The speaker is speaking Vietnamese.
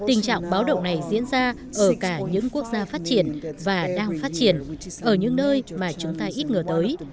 tình trạng báo động này diễn ra ở cả những quốc gia phát triển và đang phát triển ở những nơi mà chúng ta ít ngờ tới